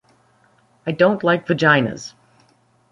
I don't like vaginas!